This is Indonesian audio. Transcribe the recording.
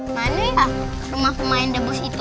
nah ini kan rumah pemain daibos itu